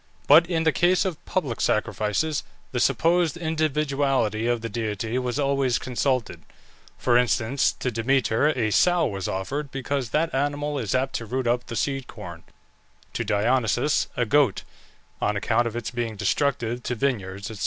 But in the case of public sacrifices, the supposed individuality of the deity was always consulted. For instance, to Demeter a sow was offered, because that animal is apt to root up the seed corn; to Dionysus a goat, on account of its being destructive to vineyards, &c.